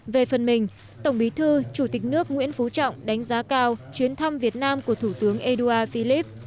về phần mình tổng bí thư chủ tịch nước nguyễn phú trọng đánh giá cao chuyến thăm việt nam của thủ tướng édouard philip